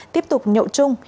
tiếp tục nhậu chung